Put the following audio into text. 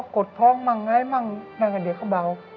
กดท้องมั่งอะไรมั่งนั่งกับเด็กเขาเบา